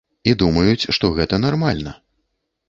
І думаюць, што гэта нармальна.